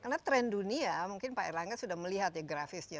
karena trend dunia mungkin pak erlangga sudah melihat ya grafisnya